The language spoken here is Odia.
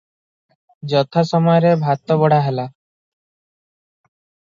ଯଥା ସମୟରେ ଭାତ ବଢ଼ା ହେଲା ।